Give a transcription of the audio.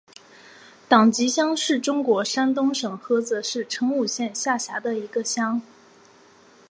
党集乡是中国山东省菏泽市成武县下辖的一个乡。